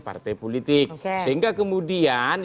partai politik sehingga kemudian